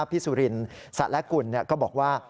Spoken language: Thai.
พี่สุรินร์สัตว์และกุลก็บอกว่า